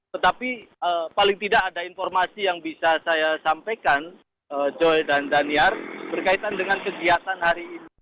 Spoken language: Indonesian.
tetapi paling tidak ada informasi yang bisa saya sampaikan joy dan daniar berkaitan dengan kegiatan hari ini